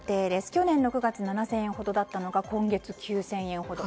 去年の９月７０００円ほどだったのが今月９０００円ほど。